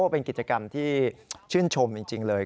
เป็นกิจกรรมที่ชื่นชมจริงเลย